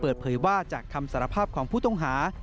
เปิดเผยว่าจากคำสารภาพของผู้ต้องหา